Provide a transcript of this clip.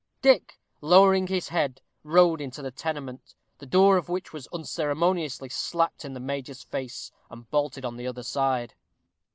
Dick, lowering his head, rode into the tenement, the door of which was unceremoniously slapped in the major's face, and bolted on the other side.